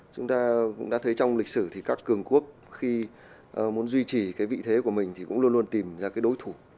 chúng ta cũng đã thấy trong lịch sử thì các cường quốc khi muốn duy trì cái vị thế của mình thì cũng luôn luôn tìm ra cái đối thủ